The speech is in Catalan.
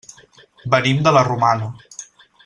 Venim de la Romana.